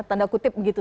tanda kutip gitu